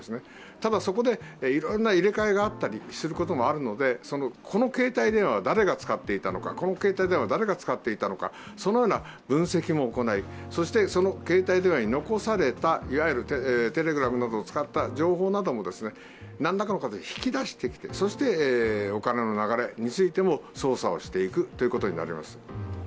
ただ、そこでいろいろな入れ替えがあったりすることもあるので、この携帯電話は誰が使っていたのか、そのような分析も行いそしてその携帯電話に残されたＴｅｌｅｇｒａｍなどを使った情報なども、何らかの形で引き出してきてそしてお金の流れについても捜査していくことになります。